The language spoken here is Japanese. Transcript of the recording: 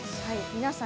◆皆さん